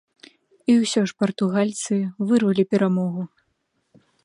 І ўсё ж партугальцы вырвалі перамогу.